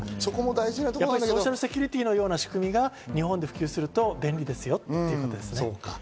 ソーシャルセキュリティーのような仕組みが日本で普及すると便利ですよってことですね。